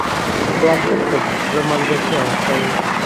سوالګر ته د زړه ملګرتیا ورکوئ